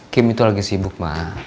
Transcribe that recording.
kim itu lagi sibuk mah